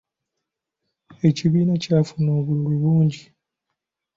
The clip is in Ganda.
Ekibiina kyafuna obululu bungi.